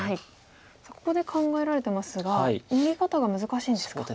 さあここで考えられてますが逃げ方が難しいんですか。